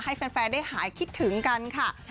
ให้แฟนได้หายคิดถึงกันค่ะ